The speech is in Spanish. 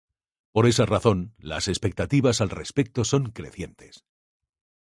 Por esa razón, las expectativas al respecto son crecientes.